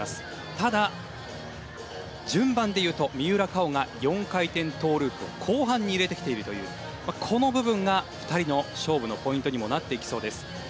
ただ、順番で言うと三浦佳生が４回転トウループを後半に入れてきているという部分が２人の勝負のポイントにもなっていきそうです。